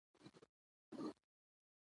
چې نازنين د ځان تيار کړي زه هېچېرې نه ځم .